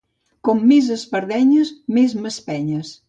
Com més espardenyes, més m'espenyes.